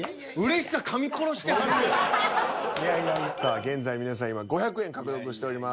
現在皆さん今５００円獲得しております。